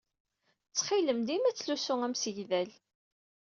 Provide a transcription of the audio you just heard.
Ttxil-m, dima ttlusu amsegdal.